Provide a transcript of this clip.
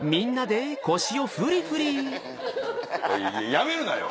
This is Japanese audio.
やめるなよ！